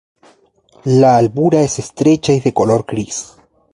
La albura es estrecha y de color gris.